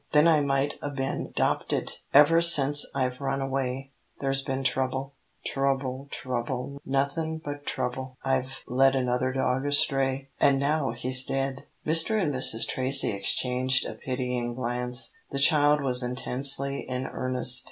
Then I might 'a' been 'dopted. Ever sence I've run away, there's been trouble trouble, trouble, nothin' but trouble. I've led another dog astray, an' now he's dead!" Mr. and Mrs. Tracy exchanged a pitying glance. The child was intensely in earnest.